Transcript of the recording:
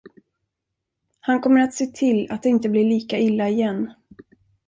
Han kommer att se till att det inte blir lika illa igen.